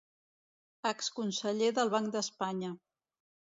Exconseller del Banc d'Espanya.